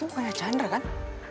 itu pokoknya chandra kan